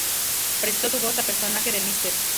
Prestó su voz al personaje del Mr.